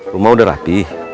rumah udah rapih